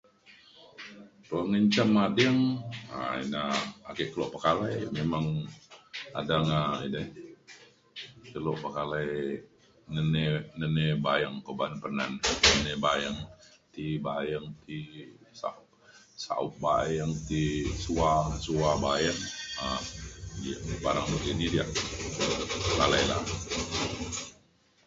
pengenjam ading um ina ake kelo pekalai memang adang um edei dulu pekalai ngeni- ngening bayeng ko ba'a Penan ngening bayeng ti bayeng ti saong bayeng ti sua sua bayeng um di barang nakini diak pekalai la